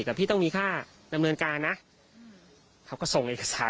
แต่พี่ต้องมีค่านำเนินการนะ